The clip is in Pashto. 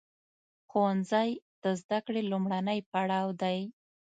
ښوونځی د زده کړې لومړنی پړاو دی.